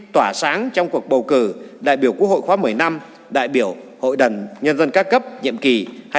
tỏa sáng trong cuộc bầu cử đại biểu quốc hội khóa một mươi năm đại biểu hội đần nhân dân các cấp nhiệm kỳ hai nghìn hai mươi một hai nghìn hai mươi sáu